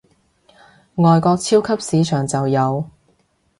外國超級市場就有